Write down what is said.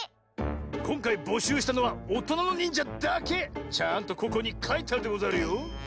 こんかいぼしゅうしたのはおとなのにんじゃだけ！ちゃんとここにかいてあるでござるよ。